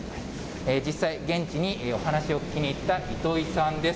実際、現地にお話を聞きにいった糸井さんです。